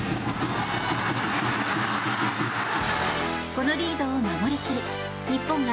このリードを守り切り日本が